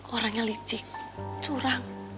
orangnya licik curang